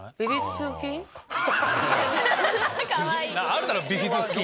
あるだろビフィズス菌！